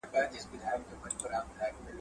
په دغه مابينځ کي د حق او باطل جنګ روان دی.